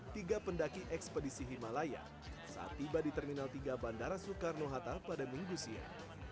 tiga pendaki ekspedisi himalaya saat tiba di terminal tiga bandara soekarno hatta pada minggu siang